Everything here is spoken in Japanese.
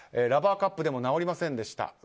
ラバーカップでも直りませんでした。